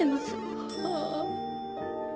ああ！